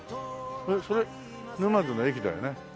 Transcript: それ沼津の駅だよね。